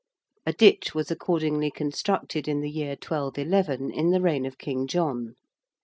A ditch was accordingly constructed in the year 1211 in the reign of King John.